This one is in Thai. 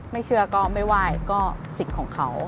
ไม่เชื่อก็ไม่ไหว้ก็สิทธิ์ของเขา